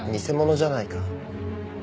偽物じゃないか。